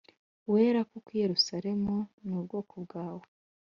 Wera kuko i yerusalemu n ubwoko bwawe